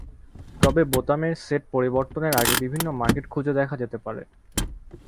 তবে বোতামের সেট পরিবর্তনের আগে বিভিন্ন মার্কেট খুঁজে দেখা যেতে পারে।